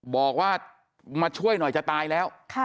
บอกว่ามาช่วยหน่อยจะตายแล้ว